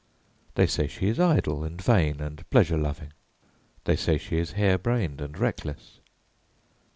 They say she is idle and vain and pleasure loving; they say she is hare brained and reckless.